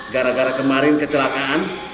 gara gara kemarin kecelakaan